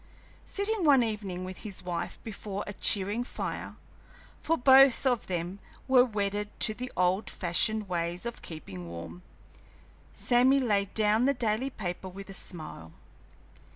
Sitting one evening with his wife before a cheering fire for both of them were wedded to the old fashioned ways of keeping warm Sammy laid down the daily paper with a smile.